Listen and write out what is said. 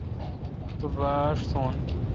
تو باݭ تھون